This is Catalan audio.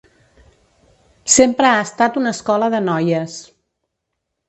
Sempre ha estat una escola de noies.